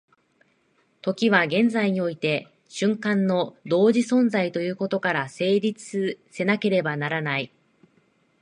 時は現在において瞬間の同時存在ということから成立せなければならない。